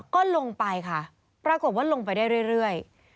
ก็ลงไปค่ะปรากฏว่าลงไปได้เรื่อย